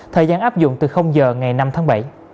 thời gian áp dụng từ giờ ngày năm tháng bảy